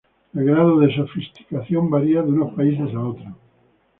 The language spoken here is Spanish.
El grado de sofisticación varía de unos países a otros.